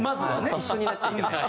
一緒になっちゃいけない。